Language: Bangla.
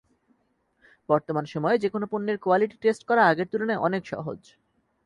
বর্তমান সময়ে যেকোনো পণ্যের কোয়ালিটি টেস্ট করা আগের তুলনায় অনেক সহজ।